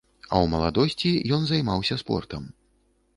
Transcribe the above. А ў маладосці ён займаўся спортам.